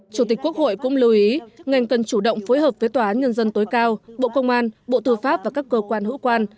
chủ tịch quốc hội cũng lưu ý ngành cần chủ động phối hợp với tòa án nhân dân tối cao bộ công an bộ tư pháp và các cơ quan hữu quan